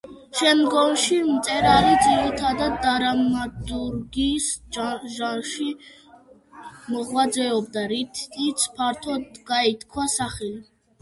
შემდგომში მწერალი ძირითადად, დრამატურგიის ჟანრში მოღვაწეობდა, რითიც ფართოდ გაითქვა სახელი.